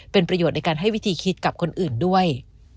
เป็นประโยชน์ในการให้วิธีคิดกับคนอื่นด้วย